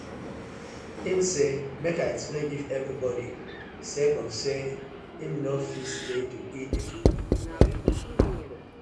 Im say mek I explain giv everi bodi sake of say im no fit stay to eat the food we prapare.